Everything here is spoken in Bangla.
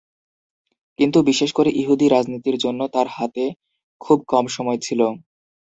কিন্তু বিশেষ করে ইহুদি রাজনীতির জন্য তার হাতে খুব কম সময় ছিল।